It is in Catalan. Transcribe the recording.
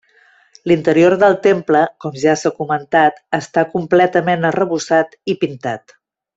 L'interior del temple, com ja s'ha comentat, està completament arrebossat i pintat.